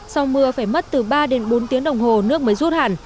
sau mưa phải mất từ ba đến bốn tiếng đồng hồ nước mới rút hẳn